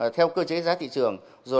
theo cơ chế giá thị trường